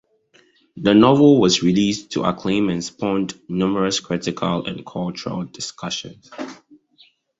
The novel was released to acclaim and spawned numerous critical and cultural discussions.